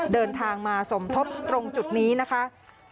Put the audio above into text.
เดินทางมาสมทบตรงจุดนี้นะคะ